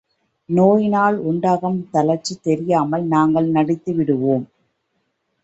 நோயினால் உண்டாகும் தளர்ச்சி தெரியாமல் நாங்கள் நடித்து விடுவோம்.